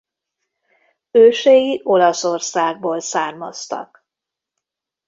Ősei Olaszországból származtak.